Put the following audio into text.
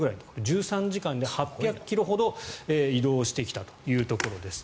１３時間で８００ｋｍほど移動してきたということです。